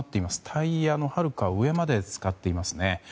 タイヤのはるか上まで浸かっていますね。